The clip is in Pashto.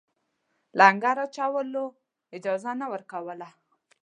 لنګر اچولو اجازه نه ورکوله.